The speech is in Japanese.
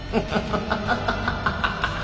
ハハハハッ！